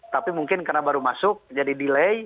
tapi mungkin karena baru masuk jadi delay